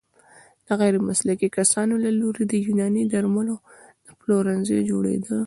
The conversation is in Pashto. د غیرمسلکي کسانو له لوري د يوناني درملو د پلورنځيو جوړیدو